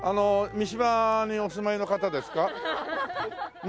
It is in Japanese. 三島にお住まいの方？違います。